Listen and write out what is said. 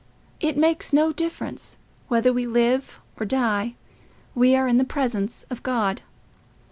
It makes no difference—whether we live or die, we are in the presence of God."